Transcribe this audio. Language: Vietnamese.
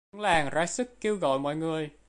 Nhưng trưởng làng ra sức kêu gọi mọi người